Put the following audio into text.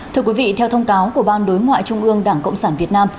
thưa quý vị theo thông cáo của ban đối ngoại trung ương đảng cộng sản việt nam